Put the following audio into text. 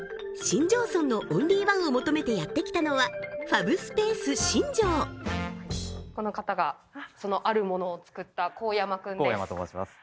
新庄村のオンリーワンを求めてやって来たのはこの方がそのあるものを作った香山君です